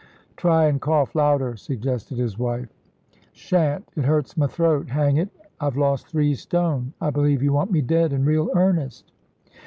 "Try and cough louder," suggested his wife. "Shan't! It hurts m' throat. Hang it, I've lost three stone. I believe you want me dead in real earnest."